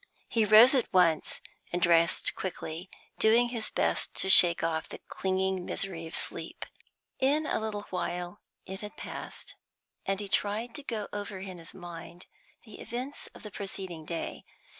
He rose at once, and dressed quickly, doing his best to shake off the clinging misery of sleep. In a little while it had passed, and he tried to go over in his mind the events of the preceding day.